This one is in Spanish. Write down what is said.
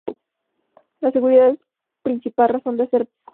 La seguridad es la principal razón de hacer convoyes.